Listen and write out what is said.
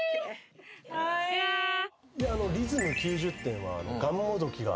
リズム９０点はがんもどきが。